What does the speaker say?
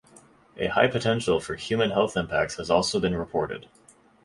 A high potential for human health impacts has also been reported.